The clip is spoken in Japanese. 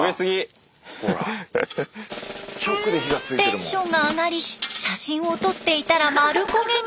テンションが上がり写真を撮っていたら丸焦げに。